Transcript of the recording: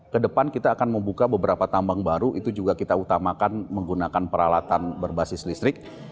kedepan kita akan membuka beberapa tambang baru itu juga kita utamakan menggunakan peralatan berbasis listrik